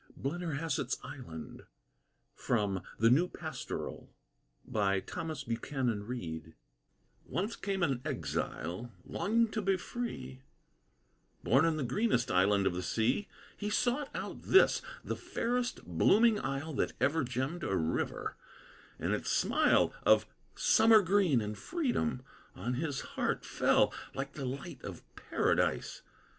BLENNERHASSETT'S ISLAND From "The New Pastoral" Once came an exile, longing to be free, Born in the greenest island of the sea; He sought out this, the fairest blooming isle That ever gemmed a river; and its smile, Of summer green and freedom, on his heart Fell, like the light of Paradise.